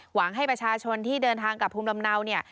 หวังให้ประชาชนที่เดินทางกลับภูมิลำเนาเนี่ย